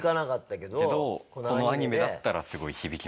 けどこのアニメだったらすごい響きました。